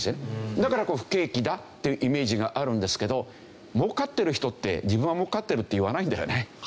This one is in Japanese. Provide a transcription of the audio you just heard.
だから不景気だっていうイメージがあるんですけど儲かってる人って自分は儲かってるって言わないんだよね。